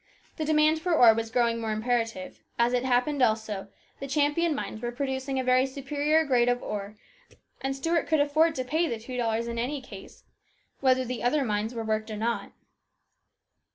The demand for ore was growing more imperative. As it happened also, the Champion mines were producing a very superior grade of ore, and Stuart could afford to pay the two dollars in any case, whether the other mines were worked or not.